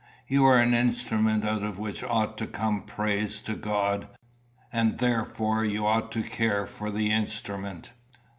You are an instrument out of which ought to come praise to God, and, therefore, you ought to care for the instrument."